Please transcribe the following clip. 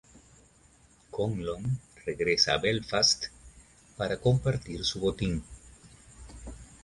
Conlon regresa a Belfast para compartir su botín.